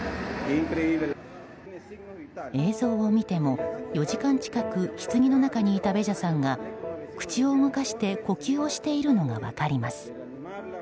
映像を見ても、４時間近くひつぎの中にいたベジャさんが口を動かして呼吸をしているのが分かります。